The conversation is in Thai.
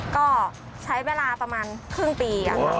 ก็ใช้เวลาประมาณครึ่งปีค่ะ